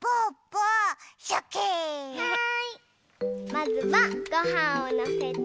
まずはごはんをのせて。